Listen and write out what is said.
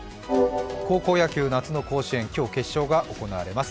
高校野球、夏の甲子園、今日、決勝が行われます。